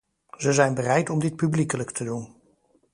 Ze zijn bereid om dit publiekelijk te doen.